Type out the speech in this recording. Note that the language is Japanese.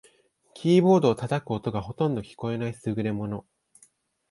キーボードを叩く音がほとんど聞こえない優れもの